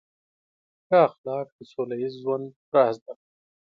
ښه اخلاق د سوله ییز ژوند راز دی.